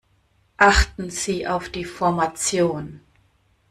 Achten Sie auf die Formation.